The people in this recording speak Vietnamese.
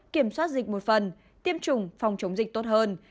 kiểm soát dịch một phần tiêm chủng phòng chống dịch tốt hơn